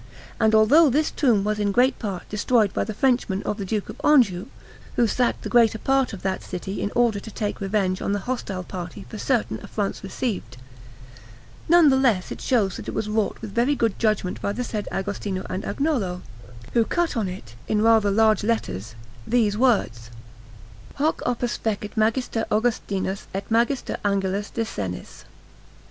And although this tomb was in great part destroyed by the Frenchmen of the Duke of Anjou, who sacked the greater part of that city in order to take revenge on the hostile party for certain affronts received, none the less it shows that it was wrought with very good judgment by the said Agostino and Agnolo, who cut on it, in rather large letters, these words: HOC OPUS FECIT MAGISTER AUGUSTINUS ET MAGISTER ANGELUS DE SENIS.